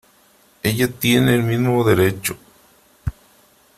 ella tiene el mismo derecho .